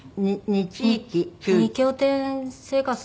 ２拠点生活的な。